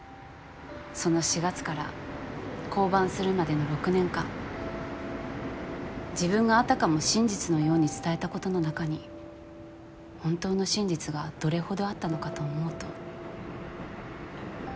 その４月から降板するまでの６年間自分があたかも真実のように伝えたことの中に本当の真実がどれほどあったのかと思うと。